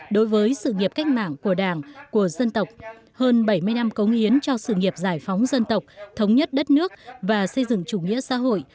đối với sự nghiệp cách mạng của đảng của dân tộc hơn bảy mươi năm cống hiến cho sự nghiệp giải phóng dân tộc thống nhất đất nước và xây dựng chủ nghĩa xã hội